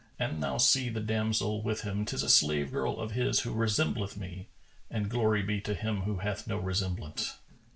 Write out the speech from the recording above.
An thou see the damsel with him 'tis a slave girl of his who resembleth me (and Glory be to Him who hath no resemblance!